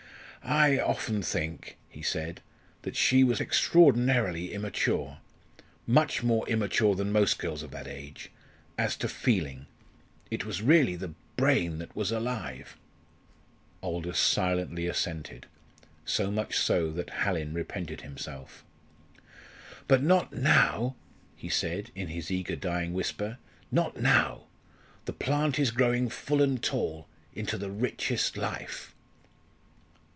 "I often think," he said, "that she was extraordinarily immature much more immature than most girls of that age as to feeling. It was really the brain that was alive." Aldous silently assented; so much so that Hallin repented himself. "But not now," he said, in his eager dying whisper; "not now. The plant is growing full and tall, into the richest life."